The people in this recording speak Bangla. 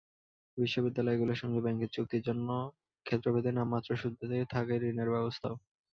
বিশ্ববিদ্যালয়গুলোর সঙ্গে ব্যাংকের চুক্তির জন্য ক্ষেত্রভেদে নামমাত্র সুদে থাকে ঋণের ব্যবস্থাও।